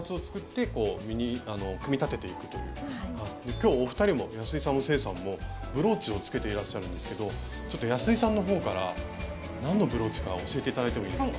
きょうお二人も安井さんも清さんもブローチをつけていらっしゃるんですけど安井さんのほうから何のブローチか教えていただいてもいいですか。